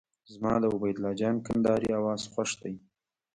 زما د عبید الله جان کندهاري اواز خوښ دی.